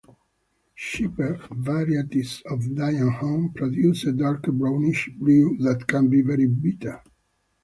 Cheaper varieties of Dianhong produce a darker brownish brew that can be very bitter.